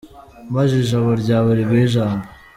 Maze ijabo ryawe riguhe ijambo.